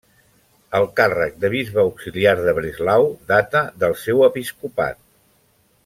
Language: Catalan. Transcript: El càrrec de bisbe auxiliar de Breslau data del seu episcopat.